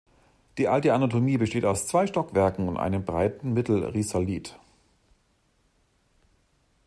Die Alte Anatomie besteht aus zwei Stockwerken und einem breiten Mittelrisalit.